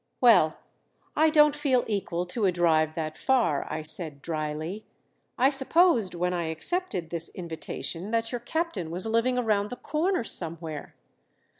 "Well I don't feel equal to a drive that far," I said dryly. "I supposed when I accepted this invitation that your captain was living around the corner somewhere."